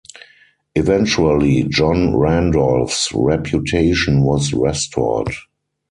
Eventually, John Randolph's reputation was restored.